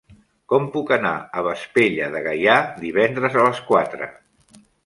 Com puc anar a Vespella de Gaià divendres a les quatre?